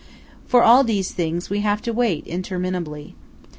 For all these things we have to wait interminably.